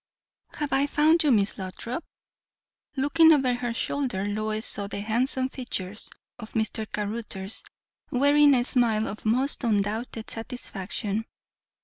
"Have I found you, Miss Lothrop?" Looking over her shoulder, Lois saw the handsome features of Mr. Caruthers, wearing a smile of most undoubted satisfaction.